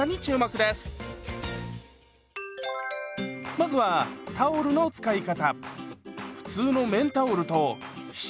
まずはタオルの使い方。